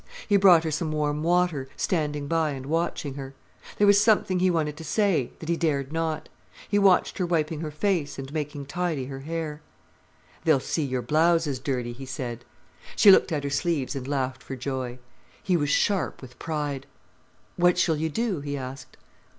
He brought her some warm water, standing by and watching her. There was something he wanted to say, that he dared not. He watched her wiping her face, and making tidy her hair. "They'll see your blouse is dirty," he said. She looked at her sleeves and laughed for joy. He was sharp with pride. "What shall you do?" he asked.